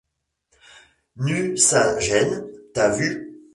Nucingen t’a vue…